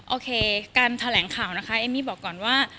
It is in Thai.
โอเคการแถลงข่าวนะคะเอมมี่บอกก่อนว่า